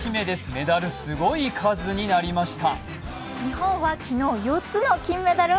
メダルすごい数になりました。